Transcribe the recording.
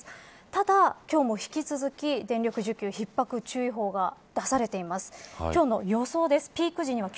ただ、今日も引き続き電力需給ひっ迫注意報が出されています。